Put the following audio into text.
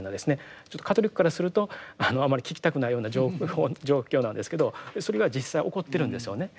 カトリックからするとあまり聞きたくないような状況なんですけどそれが実際起こってるんですよね。